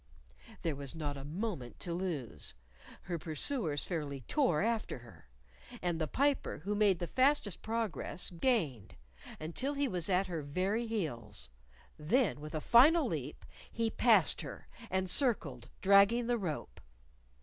There was not a moment to lose. Her pursuers fairly tore after her. And the Piper, who made the fastest progress, gained until he was at her very heels. Then with a final leap, he passed her, and circled, dragging the rope.